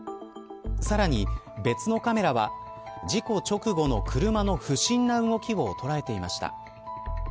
さらに、別のカメラは事故直後の車の不審な動きを捉えていました。